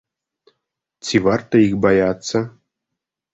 Ці варта іх баяцца?